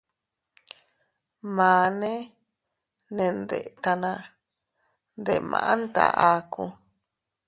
Mane ne ndetana, ndemanta aku.